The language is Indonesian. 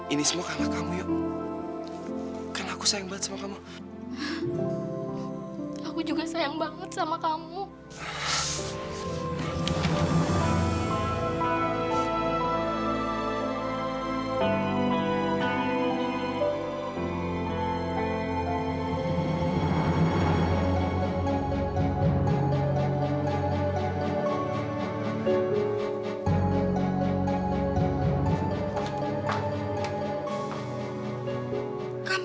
ini enggak saja resipi kamu